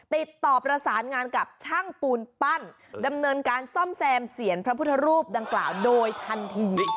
ติดต่อประสานงานกับช่างปูนปั้นดำเนินการซ่อมแซมเสียงพระพุทธรูปดังกล่าวโดยทันที